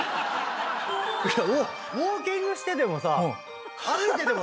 ウオーキングしててもさ歩いててもさ